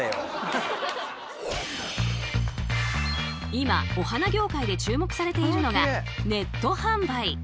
今お花業界で注目されているのがネット販売。